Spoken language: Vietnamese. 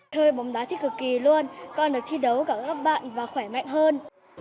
chơi bóng đá thích cực kỳ luôn con được thi đấu cả các bạn và khỏe mạnh hơn